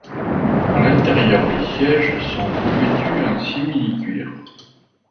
À l'intérieur, les sièges sont revêtus en similicuir.